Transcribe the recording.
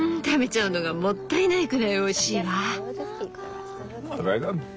食べちゃうのがもったいないくらいおいしいわ。